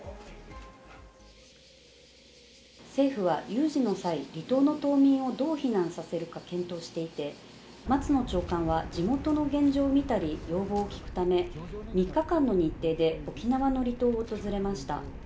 政府は有事の際、離島の島民をどう避難させるか検討していて、松野長官は地元の現状を見たり、要望を聞くため、３日間の日程で沖縄の離島を訪れました。